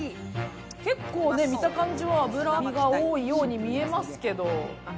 結構見た感じは脂が多いように見えますけれども。